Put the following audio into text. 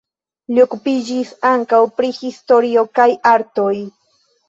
Li okupiĝis ankaŭ pri historio kaj artoj.